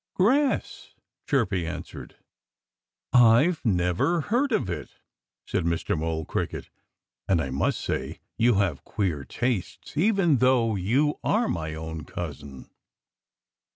"Grass!" Chirpy answered. "I've never heard of it," said Mr. Mole Cricket. "And I must say you have queer tastes even though you are my own cousin."